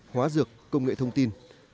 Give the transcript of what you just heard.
hóa dược công nghệ thông tin